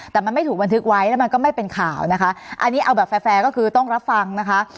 แต่มันไม่ถูกบันทึกไว้แล้วมันก็ไม่เป็นข่าวนะคะอันนี้เอาแบบแฟร์ก็คือต้องรับฟังนะคะ